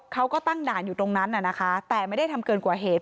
เขาก็ตั้งด่านอยู่ตรงนั้นน่ะนะคะแต่ไม่ได้ทำเกินกว่าเหตุ